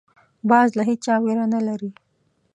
باز له هېچا ویره نه لري